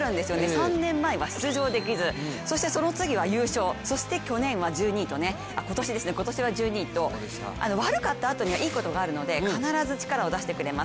３年前は出場できず、そしてその次は優勝、そして今年は１２位と悪かったあとにはいいことがあるので、必ず力を出してくれます。